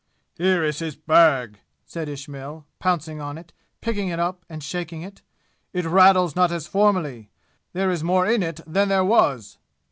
"Here is his bag!" said Ismail, pouncing on it, picking it up and shaking it. "It rattles not as formerly! There is more in it than there was!"